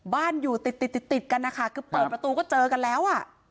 บ้านอยู่ติดติดกันนะคะคือเปิดประตูก็เจอกันแล้วอ่ะ